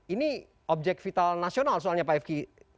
ini objek vital nasional soalnya pak fki